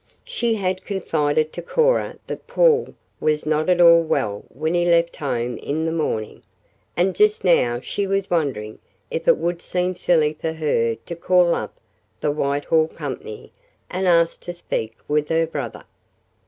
She had confided to Cora that Paul was not at all well when he left home in the morning, and just now she was wondering if it would seem silly for her to call up the Whitehall Company and ask to speak with her brother.